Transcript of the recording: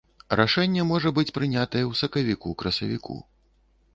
Рашэнне можа быць прынятае ў сакавіку-красавіку.